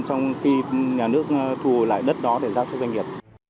trong khi nhà nước thu hồi lại đất đó để giao cho doanh nghiệp